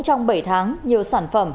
trong bảy tháng nhiều sản phẩm